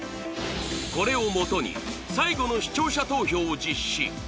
これをもとに最後の視聴者投票を実施